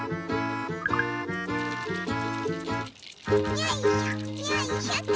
よいしょよいしょと。